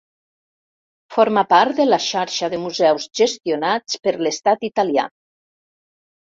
Forma part de la xarxa de museus gestionats per l'estat italià.